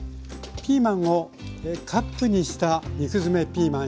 ピーマンをカップにした肉詰めピーマン。